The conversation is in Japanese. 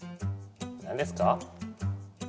何ですか？